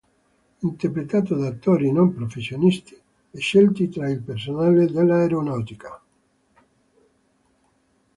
Interpretato da attori non professionisti, scelti tra il personale dell'aeronautica.